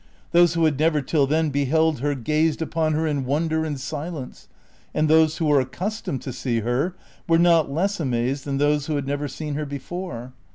Those who had never till then beheld her gazed upon her in wonder and silence, and those who were accustomed to see her were not less amazed than those who had never seen her before.